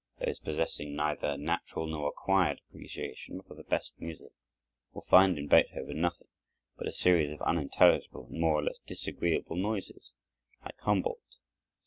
Those possessing neither natural nor acquired appreciation for the best music will find in Beethoven nothing but a series of unintelligible and more or less disagreeable noises, like Humboldt.